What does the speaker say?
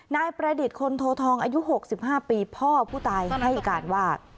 นายประดิษฐ์คนโททองอายุ๖๕ปีพ่อผู้ตายให้การว่า